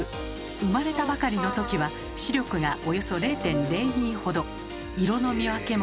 生まれたばかりの時は視力がおよそ０．０２ほど。